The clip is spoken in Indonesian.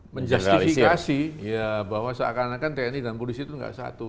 menjustifikasi bahwa seakan akan tni dan polisi itu tidak satu